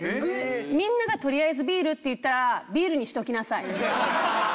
「みんながとりあえずビールって言ったらビールにしときなさい」。